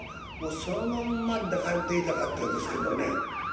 もうそのまんま抱かれていたかったですけどね。